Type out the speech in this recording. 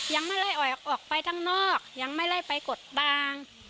ยังไม่ได้ออกออกไปด้านนอกยังไม่ได้ไปกดตังค์